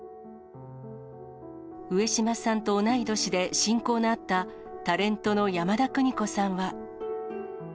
上島さんと同い年で、親交のあった、タレントの山田邦子さんは。